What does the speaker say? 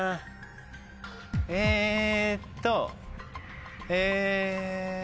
えっとえ。